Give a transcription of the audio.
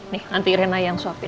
nanti rena yang suapin